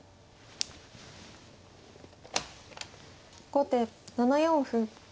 後手７四歩。